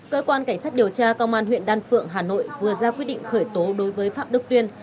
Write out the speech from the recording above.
cơ quan cảnh sát điều tra công an huyện đan phượng hà nội vừa ra quyết định khởi tố đối với phạm đức tuyên